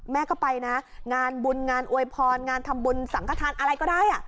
แม่ก็ไปนะงานบุญงานอวยพรงานทำบุญสังขทานอะไรก็ได้